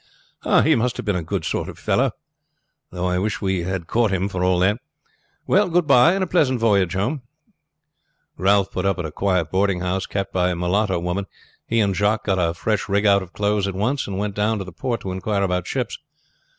"He must have been a good sort of fellow," the captain said; "though I wish we had caught him for all that. Well, good by, and a pleasant voyage home." Ralph put up at a quiet boarding house, kept by a Mulatto woman. He and Jacques got a fresh rig out of clothes at once, and went down to the port to inquire about ships.